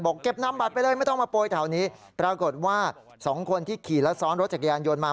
เก็บนำบัตรไปเลยไม่ต้องมาโปรยแถวนี้ปรากฏว่าสองคนที่ขี่และซ้อนรถจักรยานยนต์มา